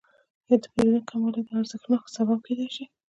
یا د پیرودونکو کموالی د ارزانښت سبب کیدای شي؟